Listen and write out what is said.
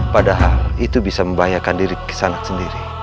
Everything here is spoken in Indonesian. padahal itu bisa membahayakan diri kisanak sendiri